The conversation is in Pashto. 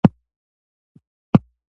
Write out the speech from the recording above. آیا مشر ته لومړی ډوډۍ نه ورکول کیږي؟